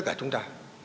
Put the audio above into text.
của tất cả chúng ta